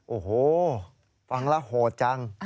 โอ้โหฟังแล้วโหดจัง